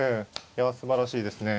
いやすばらしいですね。